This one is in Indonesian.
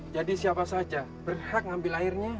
jadi siapa saja berhak ambil airnya